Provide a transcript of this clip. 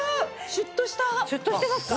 シュッとしてますか？